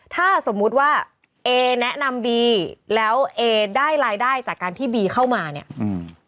ถ้าสมมุติว่าเอแนะนำบีแล้วเอได้รายได้จากการที่บีเข้ามาเนี่ยอืม